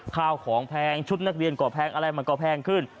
ข้าวของแพงชุดนักเรียนก็แพงอะไรมันก็แพงขึ้น